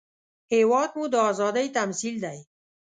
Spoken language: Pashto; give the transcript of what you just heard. هېواد مو د ازادۍ تمثیل دی